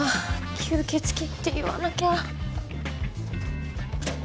吸血鬼って言わなきゃ。